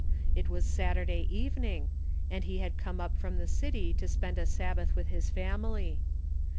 It was Saturday evening, and he had come up from the city to spend a Sabbath with his family.